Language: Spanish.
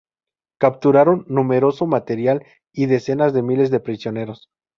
Capturaron numeroso material y decenas de miles de prisioneros.